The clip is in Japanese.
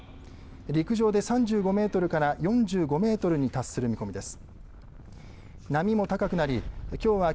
陸上で３５メートルから４５メートルに達する見込みです。